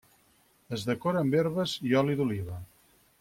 Es decora amb herbes i oli d'oliva.